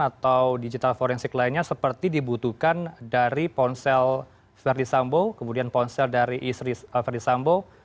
atau digital forensik lainnya seperti dibutuhkan dari ponsel ferdisambo kemudian ponsel dari istri ferdisambo